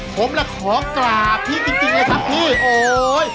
ผมแหละขอกล่าพี่จริงเลยครับพี่โอ้โฮย